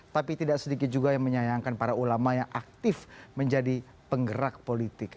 tapi tidak sedikit juga yang menyayangkan para ulama yang aktif menjadi penggerak politik